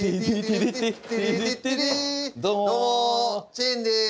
チェーンです。